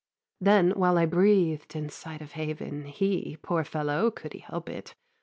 'Then, while I breathed in sight of haven, he, Poor fellow, could he help it?